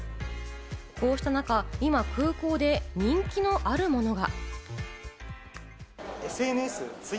こうした中、今、空港で人気のあるものが。